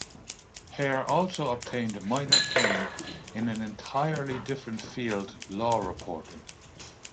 Hare also obtained minor fame in an entirely different field: law reporting.